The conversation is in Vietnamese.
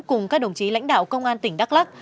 cùng các đồng chí lãnh đạo công an tỉnh đắk lắc